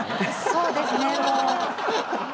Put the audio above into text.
そうですねもう。